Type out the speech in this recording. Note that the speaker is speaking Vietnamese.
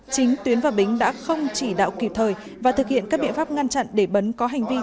chính tuyến và bính đã không chỉ đạo kịp thời và thực hiện các biện pháp ngăn chặn để bấn có hành vi